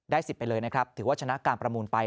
สิทธิ์ไปเลยนะครับถือว่าชนะการประมูลไป